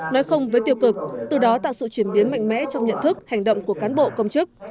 nói không với tiêu cực từ đó tạo sự chuyển biến mạnh mẽ trong nhận thức hành động của cán bộ công chức